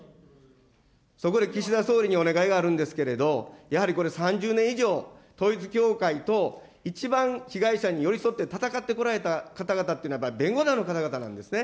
そこで岸田総理にお願いがあるんですけど、やはりこれ、３０年以上、統一教会と、一番被害者に寄り添って戦ってこられた方々っていうのは、弁護団の方々なんです。